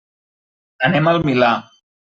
Anem al Milà.